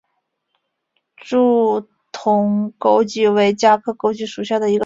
柱筒枸杞为茄科枸杞属下的一个种。